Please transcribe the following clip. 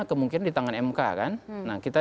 kemungkinan di tangan mk kan nah kita